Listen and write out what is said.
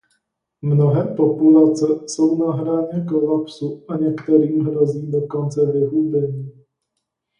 Mnohé populace jsou na hraně kolapsu a některým hrozí dokonce vyhubení.